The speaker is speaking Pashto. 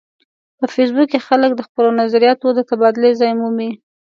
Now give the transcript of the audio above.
په فېسبوک کې خلک د خپلو نظریاتو د تبادلې ځای مومي